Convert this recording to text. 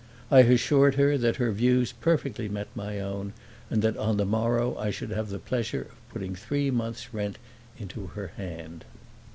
I assured her that her views perfectly met my own and that on the morrow I should have the pleasure of putting three months' rent into her hand.